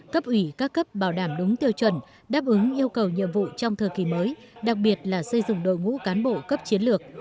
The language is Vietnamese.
cấp ủy các cấp bảo đảm đúng tiêu chuẩn đáp ứng yêu cầu nhiệm vụ trong thời kỳ mới đặc biệt là xây dựng đội ngũ cán bộ cấp chiến lược